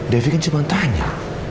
devi kan cuma tanya